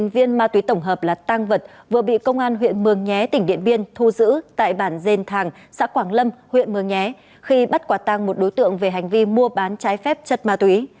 một mươi viên ma túy tổng hợp là tang vật vừa bị công an huyện mường nhé tỉnh điện biên thu giữ tại bản dền thàng xã quảng lâm huyện mường nhé khi bắt quả tăng một đối tượng về hành vi mua bán trái phép chất ma túy